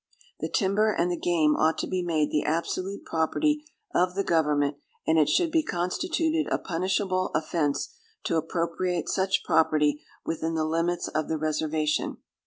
The timber and the game ought to be made the absolute property of the government, and it should be constituted a punishable offense to appropriate such property within the limits of the reservation.